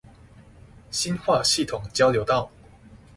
新化系統交流道